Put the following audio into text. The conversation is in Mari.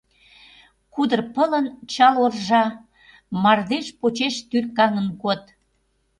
Кудыр пылын чал оржа, мардеж почеш тӱркаҥын код!